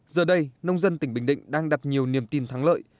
giờ đây nông dân tỉnh bình định đang đặt nhiều niềm tin thắng lợi